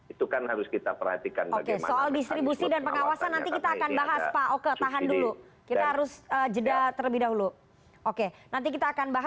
itu kan harus kita perhatikan bagaimana